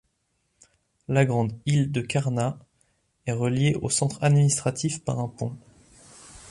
La grande île de Kärnä est reliée au centre administratif par un pont.